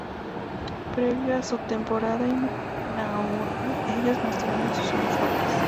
Previo a su temporada inaugural, ellos mostraron sus uniformes.